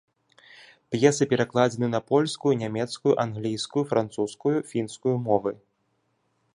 П'есы перакладзены на польскую, нямецкую, англійскую, французскую, фінскую мовы.